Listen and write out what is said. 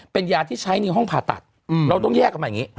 เป็นยาที่ใช้ในห้องผ่าตัดเราต้องแยกกันมาอย่างนี้